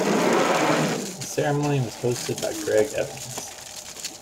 The ceremony was hosted by Greg Evans.